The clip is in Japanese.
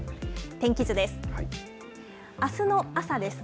天気図です。